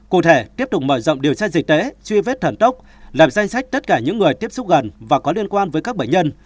cụ thể tiếp tục mở rộng điều tra dịch tễ truy vết thần tốc lập danh sách tất cả những người tiếp xúc gần và có liên quan với các bệnh nhân